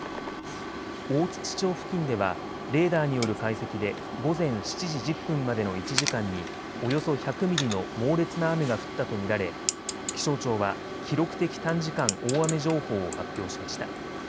大槌町付近ではレーダーによる解析で午前７時１０分までの１時間におよそ１００ミリの猛烈な雨が降ったと見られ気象庁は記録的短時間大雨情報を発表しました。